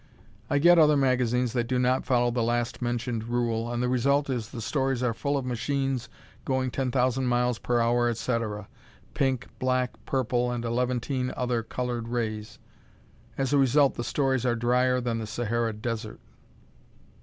I get other magazines that do not follow the last mentioned rule and the result is the stories are full of machines going 10,000 miles per hour, etc.; pink, black, purple and eleventeen other colored rays. As a result the stories are drier than the Sahara Desert.